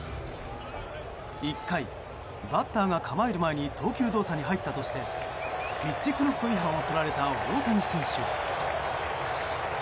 １回、バッターが構える前に投球動作に入ったとしてピッチクロック違反をとられた大谷選手。